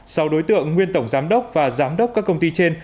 sau đối tượng nguyên tổng giám đốc và giám đốc các công ty trên